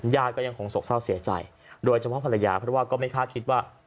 ญาติก็ยังคงโศกเศร้าเสียใจโดยเฉพาะภรรยาเพราะว่าก็ไม่คาดคิดว่า